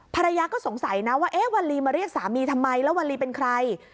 ภรรยาก็สงสัยนะว่าเอ๊ะวัลลีมาเรียกสามีทำไมแล้ววัลลีเป็นใคร